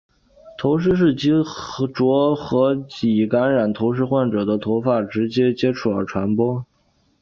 头虱是藉着和已感染头虱患者的头发直接接触而传播。